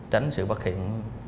tránh sự bất hiện